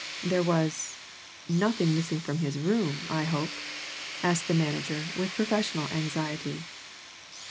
"There was nothing missing in his room, I hope?" asked the manager with professional anxiety.